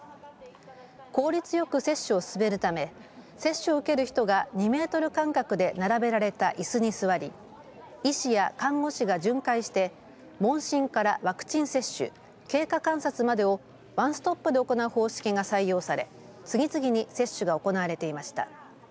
効率よく接種を進めるため接種を受ける人が２メートル間隔で並べられたいすに座り医師や看護師が巡回して問診からワクチン接種経過観察までをワンストップで行う方式が採用され次々に接種が行われていました。